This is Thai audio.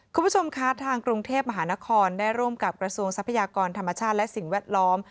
คุณผู้ชมคะทางกรุงเทพมหานครได้ร่วมกับกระทรวงทรัพยากรธรรมชาติและสิ่งแวดล้อม